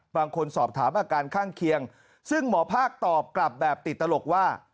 บางคนสอบถามอาการข้างเคียงซึ่งหมอภาคตอบกลับแบบติดตลกว่า